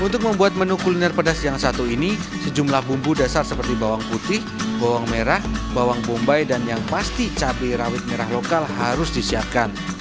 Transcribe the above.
untuk membuat menu kuliner pedas yang satu ini sejumlah bumbu dasar seperti bawang putih bawang merah bawang bombay dan yang pasti cabai rawit merah lokal harus disiapkan